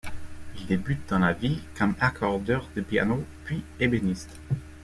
Il débute dans la vie comme accordeur de pianos puis ébéniste.